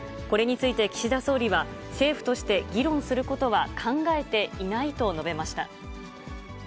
これについて岸田総理は、政府として議論することは考えていないと述べました。